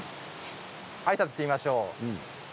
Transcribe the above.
あいさつをしてみましょう。